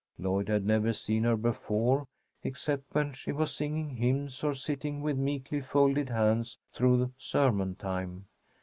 Lloyd had never seen her before, except when she was singing hymns, or sitting with meekly folded hands through sermon time.